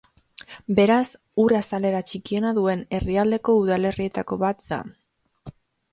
Beraz, ur-azalera txikiena duen herrialdeko udalerrietako bat da.